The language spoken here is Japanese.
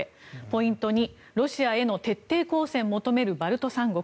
ポイント２、ロシアへの徹底抗戦求めるバルト三国。